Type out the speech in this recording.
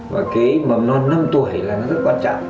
và cái mầm non năm tuổi là nó rất quan trọng